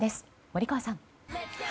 森川さん。